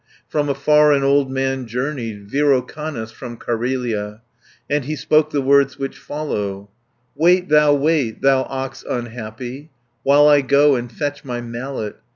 From afar an old man journeyed Virokannas from Carelia; And he spoke the words which follow: "Wait thous wait, thou ox unhappy, While I go and fetch my mallet.